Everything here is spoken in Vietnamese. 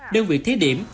đơn vị thí điểm